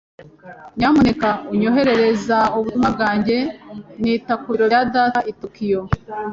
Nyamuneka onyoherereza ubutumwa bwanjye nita ku biro bya data i Tokiyo.